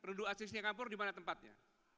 produk asli singapura di mana tempatnya